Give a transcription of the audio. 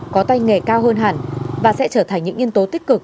có tay nghề cao hơn hẳn và sẽ trở thành những nhân tố tích cực